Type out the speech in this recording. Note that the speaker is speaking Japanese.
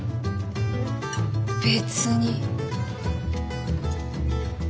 別に。